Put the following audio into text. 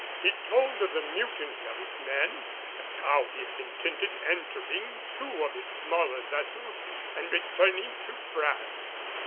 He told of the mutiny of his men and how he had intended entering two of his smaller vessels and returning to France.